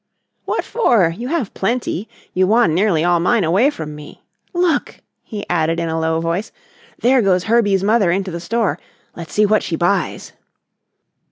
"What for? You have plenty. You won nearly all mine away from me. Look!" he added in a low voice, "there goes Herbie's mother into the store. Let's see what she buys."